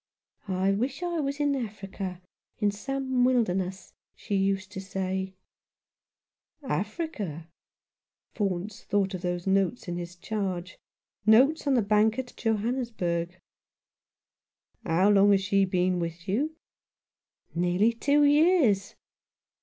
' I wish I was in Africa — in some wilderness,' she used to say." " Africa !" Faunce thought of those notes in his charge — notes on the Bank at Johannesburg. " How long had she been with you ?" "Nearly two years."